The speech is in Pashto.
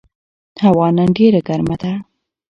هوا نن ډېره ګرمه ده.